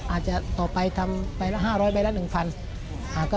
อาจจะต่อไปทำ๕๐๐บ้างแล้วก็๑๐๐๐บ้าง